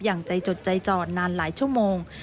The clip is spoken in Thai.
อย่างใจจดใจจ่อนานหลายชั่วโมง